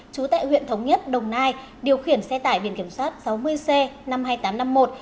trú tại huyện thống nhất đồng nai điều khiển xe tải biển kiểm soát sáu mươi c năm mươi hai nghìn tám trăm năm mươi một